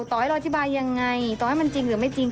ต่อให้เราอธิบายยังไงต่อให้มันจริงหรือไม่จริง